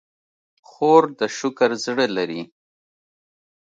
خور د شکر زړه لري.